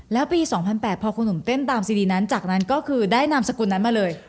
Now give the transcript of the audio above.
แล้วปี๒๐๐๘พอคุณหนุ่มเต้นตามซีดีนั้นจากนั้นก็คือได้นามสกุลนั้นมาเลย